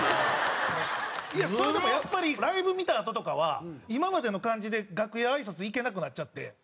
それでもやっぱりライブ見たあととかは今までの感じで楽屋あいさつ行けなくなっちゃって。